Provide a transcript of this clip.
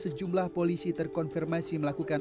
sejumlah polisi terkonfirmasi melakukan